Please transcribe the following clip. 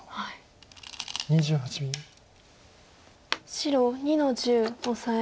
白２の十オサエ。